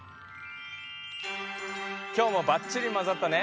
今日もばっちりまざったね。